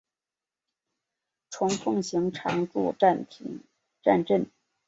虫奉行常住战阵！